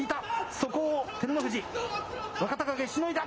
そこを照ノ富士、若隆景、しのいだ。